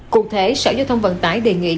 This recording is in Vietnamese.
cụ thể sở giao thông vận tải đề nghị